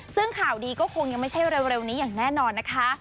ซึ่งข่าวดีก็คงยังไม่ใช่เร็วนี้อย่างแน่นอนนะคะ